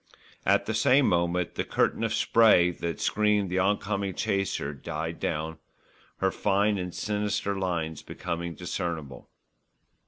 At the same moment the curtain of spray that screened the on coming chaser died down, her fine and sinister lines becoming discernible.